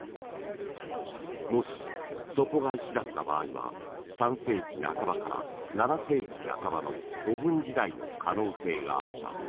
もし底が石だった場合は３世紀半ばから７世紀半ばの古墳時代の可能性があった。